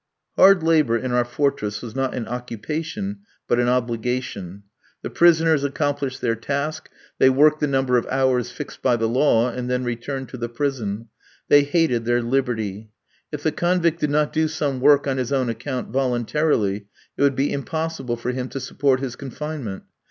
Hard labour in our fortress was not an occupation, but an obligation. The prisoners accomplished their task, they worked the number of hours fixed by the law, and then returned to the prison. They hated their liberty. If the convict did not do some work on his own account voluntarily, it would be impossible for him to support his confinement.